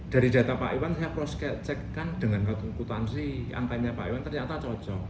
dari data pak iwan saya cross check kan dengan akutansi angkanya pak iwan ternyata cocok